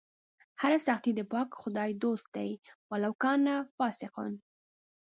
هر سخي د پاک خدای دوست دئ ولو کانَ فاسِقا